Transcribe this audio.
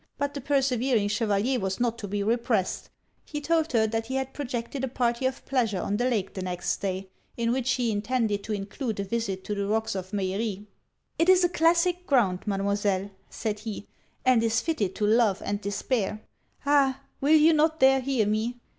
But the persevering Chevalier was not to be repressed. He told her that he had projected a party of pleasure on the lake the next day, in which he intended to include a visit to the Rocks of Meillerie. 'It is classic ground, Mademoiselle,' said he, 'and is fitted to love and despair. Ah! will you not there hear me?